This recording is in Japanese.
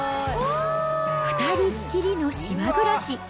２人っきりの島暮らし。